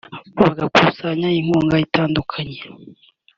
bagakusanya inkunga itandukanye